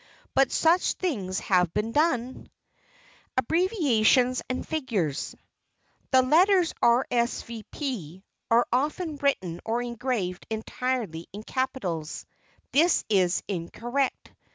But such things have been done! [Sidenote: ABBREVIATIONS AND FIGURES] The letters "R. s. v. p." are often written or engraved entirely in capitals. This is incorrect.